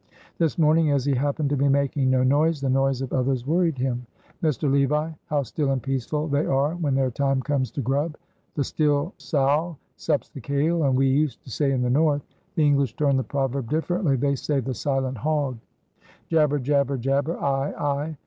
This morning, as he happened to be making no noise, the noise of others worried him. "Mr. Levi, how still and peaceful they are when their time comes to grub. 'The still sow sups the kail,' as we used to say in the north; the English turn the proverb differently, they say 'The silent hog '" "Jabber! jabber! jabber! aie! aie!"